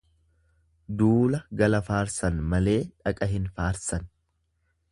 Duula gala faarsan malee dhaqa hin faarsan.